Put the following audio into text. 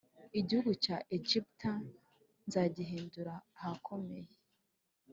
Igihugu cya Egiputa nzagihindura ahakomeye